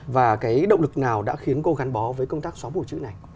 và cái động lực nào đã khiến cô gắn bó với công tác xóa bổ chữ này